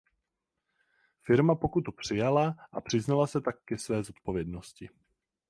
Firma pokutu přijala a přiznala se tak ke své zodpovědnosti.